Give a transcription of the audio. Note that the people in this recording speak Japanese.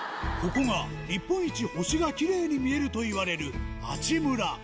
ここが日本一星がきれいに見えるといわれる阿智村。